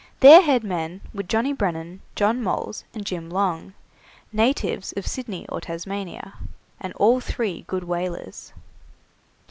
Their head men were Johnny Brennan, John Moles, and Jim Long, natives of Sydney or Tasmania, and all three good whalers.